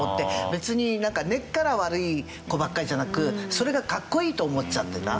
別になんか根っから悪い子ばっかりじゃなくそれがかっこいいと思っちゃってた。